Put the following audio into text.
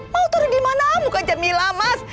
mau taruh dimana buka jamila mas